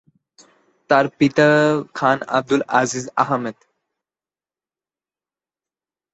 তার পিতা খান আবদুল আজিজ আহমদ।